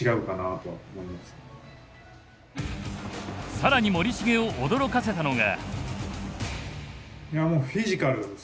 更に森重を驚かせたのが。